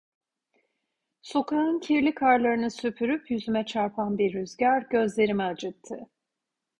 Sokağın kirli karlarını süpürüp yüzüme çarpan bir rüzgar gözlerimi acıttı.